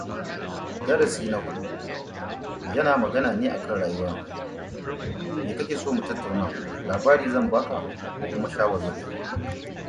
Roman Catholicism arrived in Ivory Coast through the arrival of French settlers.